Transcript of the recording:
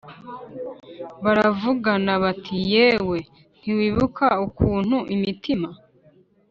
Baravugana bati Yewe ntiwibuka ukuntu imitima